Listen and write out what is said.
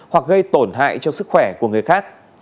hoặc gây tổn hại cho sức khỏe của người khác